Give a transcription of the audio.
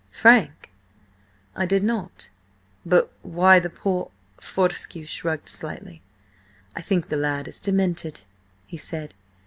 "Frank? I did not–but why the 'poor'?" Fortescue shrugged slightly. "I think the lad is demented," he said.